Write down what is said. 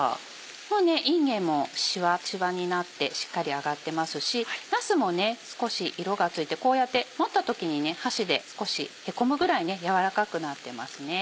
もういんげんもシワシワになってしっかり揚がってますしなすも少し色がついてこうやって持った時に箸で少しへこむぐらい軟らかくなってますね。